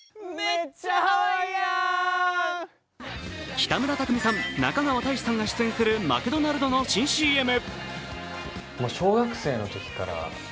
北村匠海さん、中川大志さんが出演するマクドナルドの新ＣＭ。